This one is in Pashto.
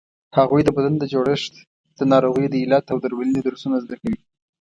هغوی د بدن د جوړښت، د ناروغیو د علت او درملنې درسونه زده کوي.